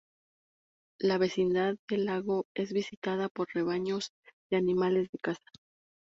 La vecindad de lago es visitada por rebaños de animales de caza.